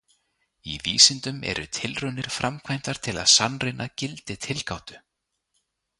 Í vísindum eru tilraunir framkvæmdar til að sannreyna gildi tilgátu.